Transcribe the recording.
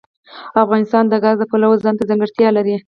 افغانستان د ګاز د پلوه ځانته ځانګړتیا لري.